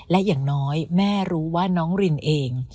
และอย่างน้อยแม่รู้ว่าน้องรินเอง